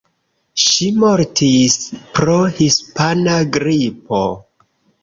Ŝi mortis pro hispana gripo.